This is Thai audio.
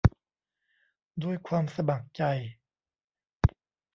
ด้วยความสมัครใจ